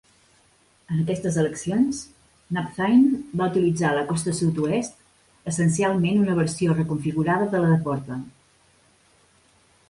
En aquestes eleccions, Napthine va utilitzar a la costa sud-oest essencialment una versió reconfigurada de la de Portland.